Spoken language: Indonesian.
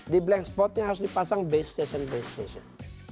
di blank spotnya harus dipasang base station base station